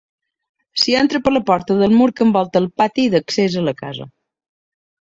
S'hi entra per la porta del mur que envolta el pati d'accés a la casa.